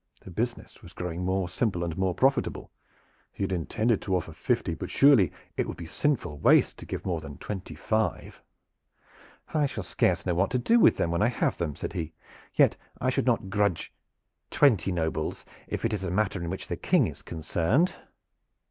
The business was growing more simple and more profitable. He had intended to offer fifty, but surely it would be sinful waste to give more than twenty five. "I shall scarce know what to do with them when I have them," said he. "Yet I should not grudge twenty nobles if it is a matter in which the King is concerned."